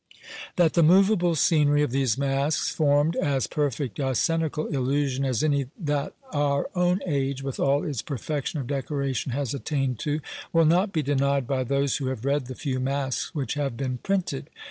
That the moveable scenery of these Masques formed as perfect a scenical illusion as any that our own age, with all its perfection of decoration, has attained to, will not be denied by those who have read the few Masques which have been printed.